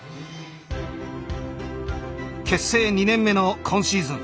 結成２年目の今シーズン。